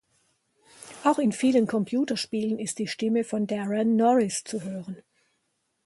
Auch in vielen Computerspielen ist die Stimme von Daran Norris zu hören.